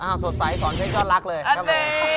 อ่าสดใสสอนได้ก็รักเลยครับผม